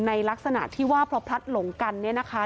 ในลักษณะที่ว่าพอพลัดหลงกันนะคะ